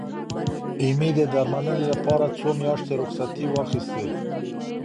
ایمي د درملنې لپاره څو میاشتې رخصتي واخستې.